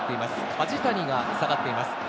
梶谷が下がっています。